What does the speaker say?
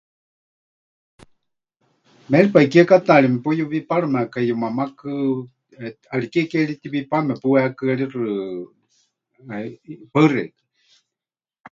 Méripai kiekátaari mepuyuwiparimekai yumamákɨ, eh, ʼariké ke ri tiwipaame puheekɨ́arixɨ, eh. Paɨ xeikɨ́a.